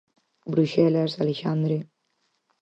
Bruxelas, Alexandre...